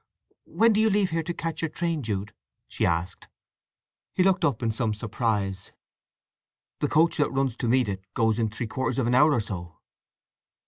"When do you leave here to catch your train, Jude?" she asked. He looked up in some surprise. "The coach that runs to meet it goes in three quarters of an hour or so."